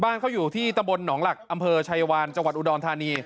บ้านเขาอยู่ที่ตำบลหนองหลักอำเภอชัยวานจังหวัดอุดรธานี